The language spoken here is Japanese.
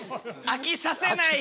飽きさせない。